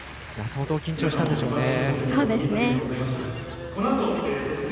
相当緊張したんでしょうね。